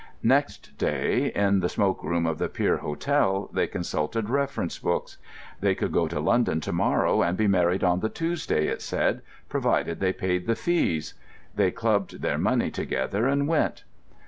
Next day, in the smoke room of the Pier Hotel, they consulted reference books. They could go to London to morrow, and be married on the Tuesday, it said, provided they paid the fees. They clubbed their money together and went.